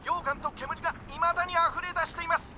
けむりがいまだにあふれだしています。